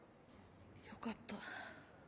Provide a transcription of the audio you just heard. よかった。